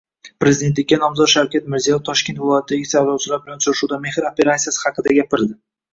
Prezidentlikka nomzod Shavkat Mirziyoyev Toshkent viloyatidagi saylovchilar bilan uchrashuvda Mehr operatsiyasi haqida gapirdi